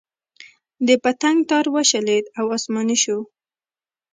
د پتنګ تار وشلېد او اسماني شو.